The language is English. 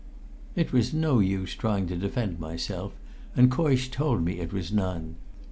It was no use trying to defend myself, and Coysh told me it was none.